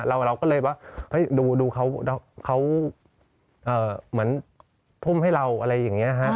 เราก็เลยว่าดูเขาเหมือนพุ่มให้เราอะไรอย่างนี้ฮะ